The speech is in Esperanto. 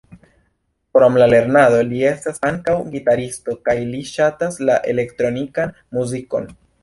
Krom la lernado li estas ankaŭ gitaristo kaj li ŝatas la elektronikan muzikon.